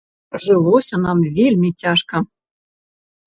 Жылося нам вельмі цяжка.